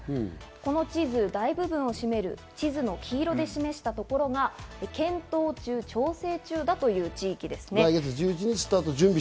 この地図、大部分を占める、地図の黄色で示したところが検討中・調整中だという地域です。